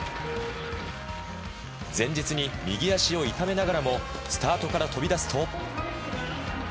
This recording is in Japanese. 前日に右足を痛めながらもスタートから飛び出すと。